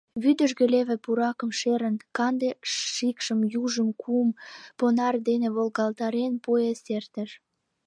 Вӱдыжгӧ леве пуракым шерын, канде шикшан южым кум понар дене волгалтарен, поезд эртыш.